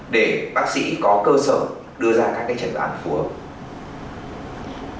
để bác sĩ có cơ sở đưa ra các chẩn đoán phù hợp